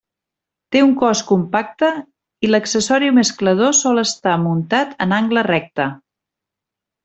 Té un cos compacte, i l'accessori mesclador sol estar muntat en angle recte.